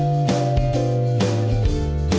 ยกเว้นว่าน้องจะเอากล้องพิเศษมาถ่ายให้